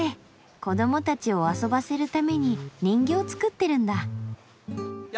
子どもたちを遊ばせるために人形作ってるんだ。